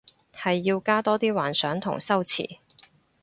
係要加多啲幻想同修辭